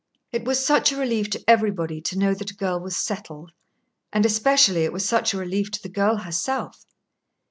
It was such a relief to everybody to know that a girl was "settled," and especially it was such a relief to the girl herself.